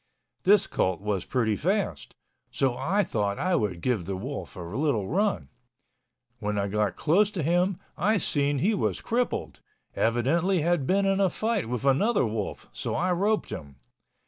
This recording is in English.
This colt was pretty fast. So I thought I would give the wolf a little run. When I got close to him, I seen he was crippled, evidently had been in a fight with another wolf, so I roped him.